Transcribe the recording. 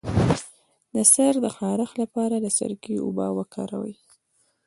د سر د خارښ لپاره د سرکې اوبه وکاروئ